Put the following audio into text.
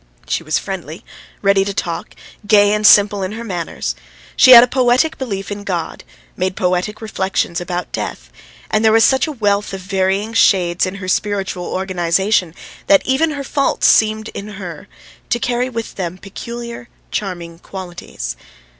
She was friendly, ready to talk, gay and simple in her manners. She had a poetic belief in God, made poetic reflections about death, and there was such a wealth of varying shades in her spiritual organisation that even her faults seemed in her to carry with them peculiar, charming qualities.